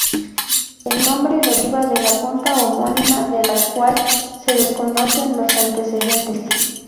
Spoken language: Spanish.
El nombre deriva de la punta homónima de la cual se desconocen los antecedentes.